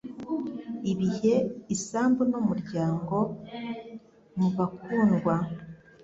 Ibihe isambu n'umuryango mubakundwa